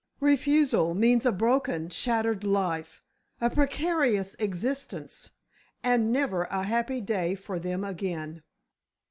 Refusal means a broken, shattered life, a precarious existence, and never a happy day for them again.